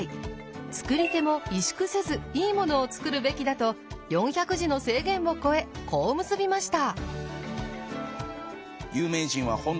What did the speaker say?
作り手も萎縮せずいいものを作るべきだと４００字の制限を超えこう結びました。